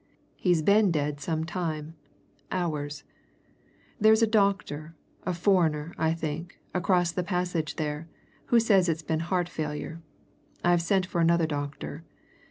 He's been dead some time hours. There's a doctor, a foreigner, I think, across the passage there, who says it's been heart failure. I've sent for another doctor.